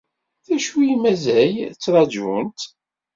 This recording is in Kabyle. D acu i mazal ttrajunt?